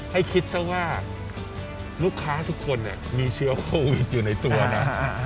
ให้คิดซะว่าลูกค้าทุกคนเนี่ยมีเชื้อโควิดอยู่ในตัวนะ